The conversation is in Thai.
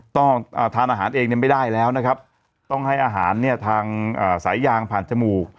สอนทานก่อนเองไม่ได้แล้วนะครับต้องให้อาหารทางสายยางผ่านจมูก